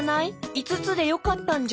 いつつでよかったんじゃ。